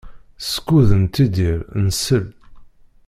Skud nettidir, nsell.